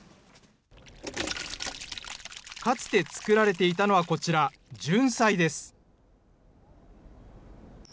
かつて作られていたのは、こちら、じゅんさいです。